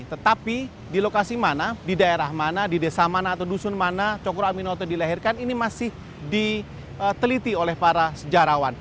tetapi di lokasi mana di daerah mana di desa mana atau dusun mana cokro aminoto dilahirkan ini masih diteliti oleh para sejarawan